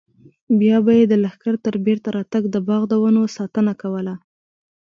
بیا به یې د لښکر تر بېرته راتګ د باغ د ونو ساتنه کوله.